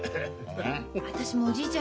私もおじいちゃん